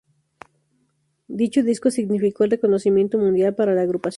Dicho disco significó el reconocimiento mundial para la agrupación.